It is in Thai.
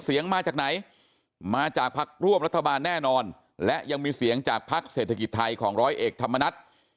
เสียงมาจากไหนมาจากพักร่วมรัฐบาลแน่นอนและยังมีเสียงจากภักดิ์เศรษฐกิจไทยของร้อยเอกธรรมนัฐ